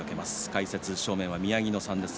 解説、正面は宮城野さんです。